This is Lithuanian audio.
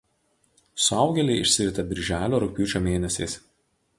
Suaugėliai išsirita birželio–rugpjūčio mėnesiais.